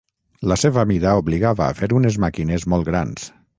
La seva mida obligava a fer unes màquines molt grans.